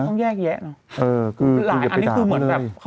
ต้องแยกแยะนะ